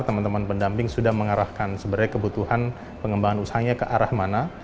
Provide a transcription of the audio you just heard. teman teman pendamping sudah mengarahkan sebenarnya kebutuhan pengembangan usahanya ke arah mana